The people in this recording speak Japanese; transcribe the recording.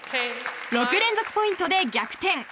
６連続ポイントで逆転！